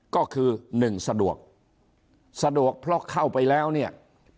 ก็คือ๑สะดวกสะดวกเพราะเข้าไปแล้วเนี่ย